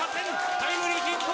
タイムリーヒット！